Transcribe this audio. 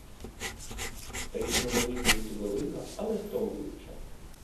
Різноманітність велика, але стомлююча.